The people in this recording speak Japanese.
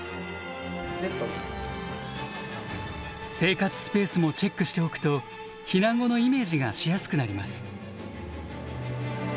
生活スペースもチェックしておくと避難後のイメージがしやすくなります。